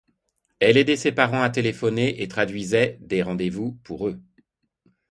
Elle aidait ses parents à téléphoner et traduisait des rendez-vous pour eux.